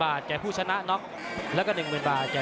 วันนี้เดี่ยงไปคู่แล้วนะพี่ป่านะ